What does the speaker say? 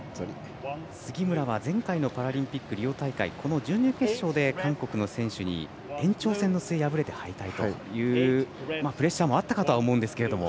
杉村は前回のパラリンピックリオ大会は、準々決勝で韓国の選手に延長戦の末敗れて敗退という、プレッシャーもあったかと思うんですけれども。